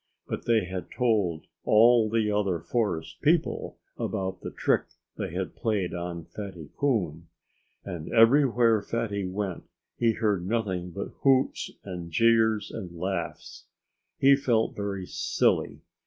But they had told all the other forest people about the trick they had played on Fatty Coon. And everywhere Fatty went he heard nothing but hoots and jeers and laughs. He felt very silly.